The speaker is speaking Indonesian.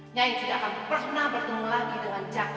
nyai tidak akan pernah bertemu lagi dengan jaka